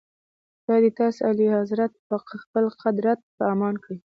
خدای دې تاسي اعلیحضرت په خپل قدرت په امان کړي.